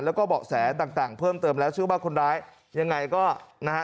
แล้วก็เบาะแสต่างเพิ่มเติมแล้วเชื่อว่าคนร้ายยังไงก็นะฮะ